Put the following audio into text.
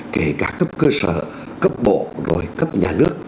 kể cả cấp cơ sở cấp bộ rồi cấp nhà nước